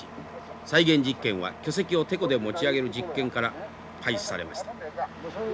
再現実験は巨石をテコで持ち上げる実験から開始されました。